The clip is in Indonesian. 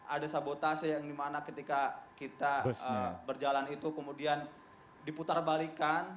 ada situasi yang dimana ketika kita berjalan itu kemudian diputarbalikan